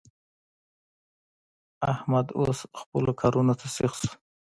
احمد اوس خپلو کارو ته سيخ شو.